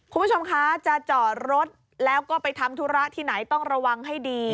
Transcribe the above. คุณผู้ชมคะจะจอดรถแล้วก็ไปทำธุระที่ไหนต้องระวังให้ดี